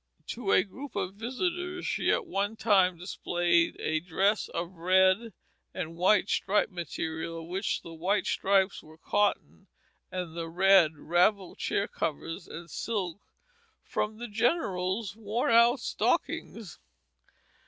To a group of visitors she at one time displayed a dress of red and white striped material of which the white stripes were cotton, and the red, ravelled chair covers and silk from the General's worn out stockings.